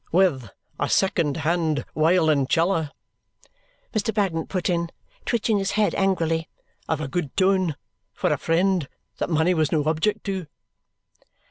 "With a second hand wiolinceller," Mr. Bagnet put in, twitching his head angrily. "Of a good tone. For a friend. That money was no object to."